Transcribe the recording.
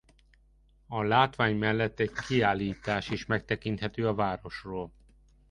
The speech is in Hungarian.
A látvány mellett egy kiállítás is megtekinthető a városról.